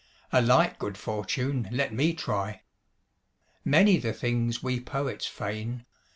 'A like good fortune let me try.' Many the things we poets feign.